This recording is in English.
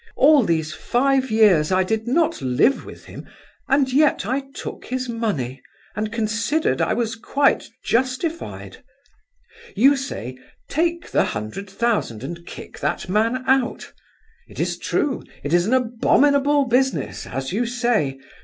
All these five years I did not live with him, and yet I took his money, and considered I was quite justified. "You say, take the hundred thousand and kick that man out. It is true, it is an abominable business, as you say.